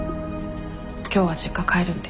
今日は実家帰るんで。